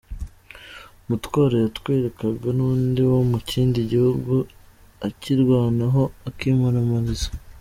Umutware yatwerwaga n’undi wo mu kindi gihugu akirwanaho akimaramariza.